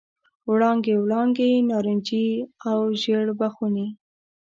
وړانګې، وړانګې نارنجي او ژړ بخونې،